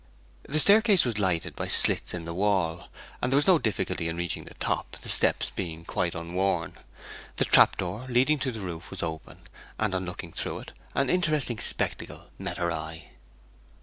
The staircase was lighted by slits in the wall, and there was no difficulty in reaching the top, the steps being quite unworn. The trap door leading on to the roof was open, and on looking through it an interesting spectacle met her eye.